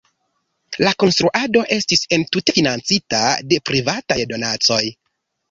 La konstruado estis entute financita de privataj donacoj.